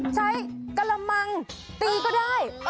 กระมังตีก็ได้